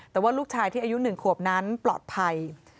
แต่ว่าลูกชายที่อายุ๑ขวบนั้นปลอดภัย